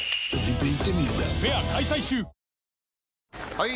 ・はい！